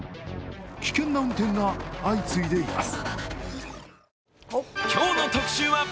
危険な運転が相次いでいます。